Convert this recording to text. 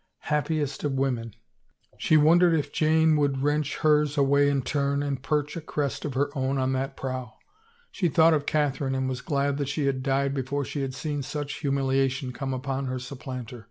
" Happiest of Women !'* She wondered if Jane would wrench hers away in turn and perch a crest of her own on that prow. She thought of Catherine and was glad that she had died before she had seen such himiiliation come upon her supplanter.